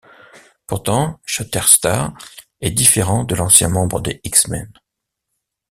Pourtant, Shatterstar est différent de l'ancien membre des X-Men.